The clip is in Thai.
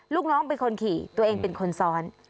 ลูกน้องเป็นคนขี่ตัวเองเป็นคนซ้อน